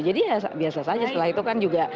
jadi ya biasa saja setelah itu kan juga